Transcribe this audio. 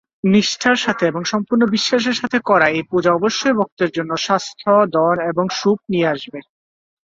নিষ্ঠার সাথে এবং সম্পূর্ণ বিশ্বাসের সাথে করা এই পূজা অবশ্যই ভক্তের জন্য স্বাস্থ্য, ধন এবং সুখ নিয়ে আসবে।